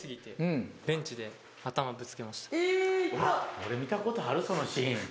俺見た事あるそのシーン。